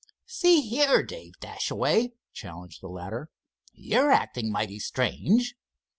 "See here, Dave Dashaway," challenged the latter, "you're acting mighty strange."